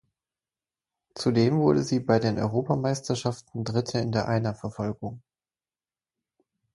Zudem wurde sie bei den Europameisterschaften Dritte in der Einerverfolgung.